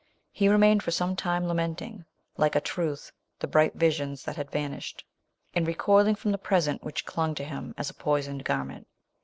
He remained for some time lamenting, like a truth, the bright visions that had vanished ; and re coiling from the present, which clung to him as a poisoned garment.